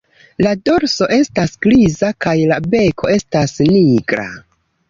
La dorso estas griza kaj la beko estas nigra.